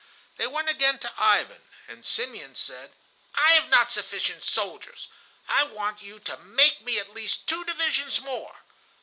They went again to Ivan, and Simeon said: "I have not sufficient soldiers; I want you to make me at least two divisions more."